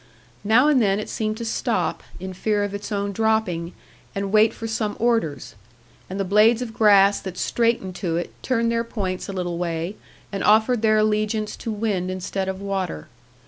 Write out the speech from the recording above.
Now and then it seemed to stop, in fear of its own dropping, and wait for some orders; and the blades of grass that straightened to it turned their points a little way, and offered their allegiance to wind instead of water.